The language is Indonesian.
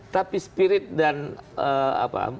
tapi spirit dan apa